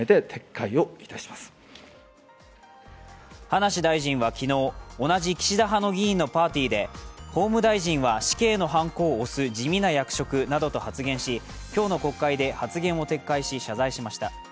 葉梨大臣は昨日、同じ岸田派の議員のパーティーで、「法務大臣は死刑のはんこを押す地味な役職」などと発言し、今日の国会で発言を撤回し謝罪しました。